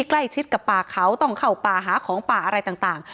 ใกล้ชิดกับป่าเขาต้องเข้าป่าหาของป่าอะไรต่าง